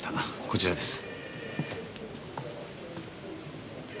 こちらです。